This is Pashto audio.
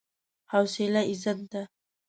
حوصله عزت ده.